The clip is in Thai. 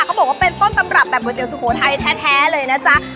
เขาบอกว่าเป็นต้นตำรับแบบก๋วเตีสุโขทัยแท้เลยนะจ๊ะ